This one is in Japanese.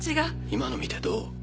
今の見てどう？